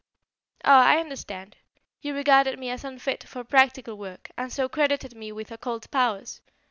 "Ah, I understand. You regarded me as unfit for practical work, and so credited me with occult powers.